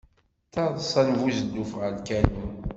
D taḍsa n buzelluf ɣef lkanun.